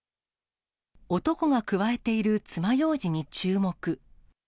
男がくわえているつまようじに注目。